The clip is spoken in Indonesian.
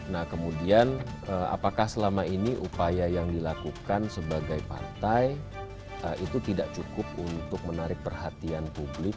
nah kemudian apakah selama ini upaya yang dilakukan sebagai partai itu tidak cukup untuk menarik perhatian publik